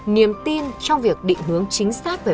niềm tin trong việc định hướng chính xác về vụ án